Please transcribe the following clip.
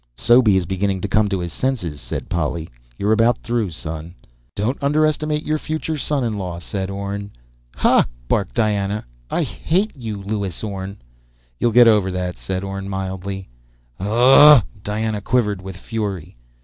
"Sobie is beginning to come to his senses," said Polly. "You're about through, son." "Don't underestimate your future son in law," said Orne. "Hah!" barked Diana. "I hate you, Lewis Orne!" "You'll get over that," said Orne mildly. "Ohhhhhh!" Diana quivered with fury.